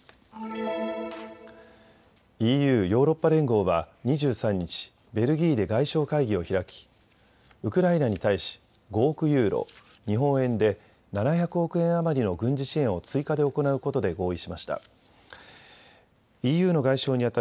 ＥＵ・ヨーロッパ連合は２３日、ベルギーで外相会議を開きウクライナに対し５億ユーロ、日本円で７００億円余りの軍事支援を追加で行うことで合意しました。